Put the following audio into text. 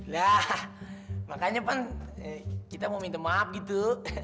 lah makanya pan kita mau minta maaf gitu